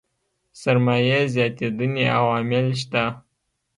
سرمايې زياتېدنې عوامل شته.